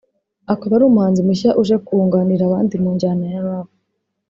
akaba ari umuhanzi mushya uje kunganira abandi mu njyana ya rap